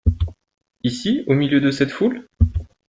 Ici au milieu de cette foule ?